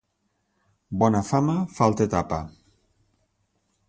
Bona fama, falta tapa.